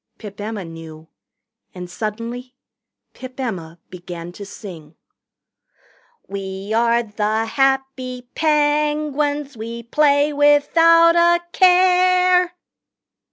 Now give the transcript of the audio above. Pip Emma knew. And suddenly Pip Emma began to sing. "We are the happy Penguins We play without a care